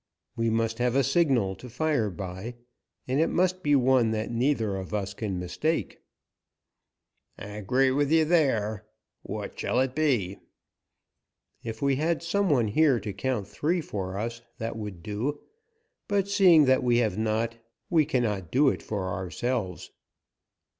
"We must have a signal to fire by, and it must be one that neither of us can mistake." "I agree with you there. What shall it be?" "If we had some one here to count three for us, that would do, but seeing that we have not, we cannot do it for ourselves."